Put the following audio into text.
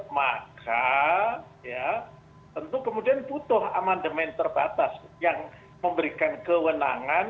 maka ya tentu kemudian butuh amandemen terbatas yang memberikan kewenangan